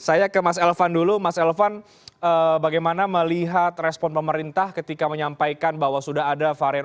saya ke mas elvan dulu mas elvan bagaimana melihat respon pemerintah ketika menyampaikan bahwa sudah ada varian